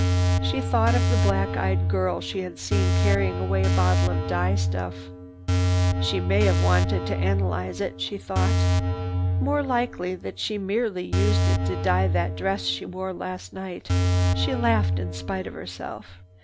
She thought of the black eyed girl she had seen carrying away the bottle of dye stuff. "She may have wanted to analyse it," she thought. "More likely that she merely used it to dye that dress she wore last night." She laughed in spite of herself.